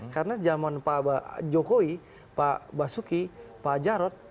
karena jaman pak jokowi pak basuki pak jarot